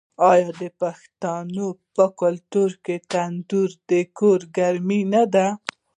آیا د پښتنو په کلتور کې تندور د کور ګرمي نه ده؟